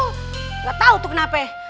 nggak tahu tuh kenapa